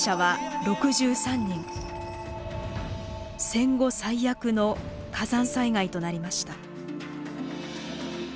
戦後最悪の火山災害となりました。